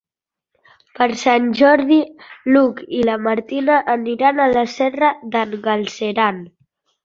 Per Sant Jordi n'Hug i na Martina aniran a la Serra d'en Galceran.